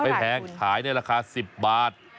แพงขายในราคา๑๐บาท